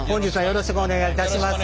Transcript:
よろしくお願いします。